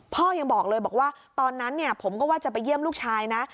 พ่อยังบอกเลยบอกว่าตอนนั้นผมก็ว่าจะไปเยี่ยมลูกชายนะ